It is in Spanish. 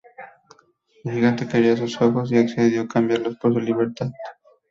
El gigante quería esos ojos y accedió a cambiarlos por su libertad.